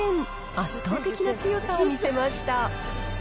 圧倒的な強さを見せました。